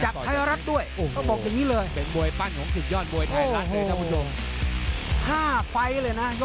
จากไทยรัฐด้วยต้องบอกอย่างนี้เลย